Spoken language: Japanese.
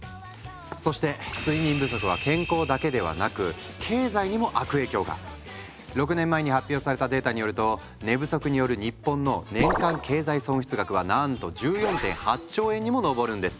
そして睡眠不足は健康だけではなく経済にも悪影響が⁉６年前に発表されたデータによると寝不足による日本の年間経済損失額はなんと１４．８兆円にも上るんです。